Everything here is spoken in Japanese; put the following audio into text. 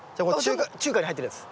中華に入ってるやつ。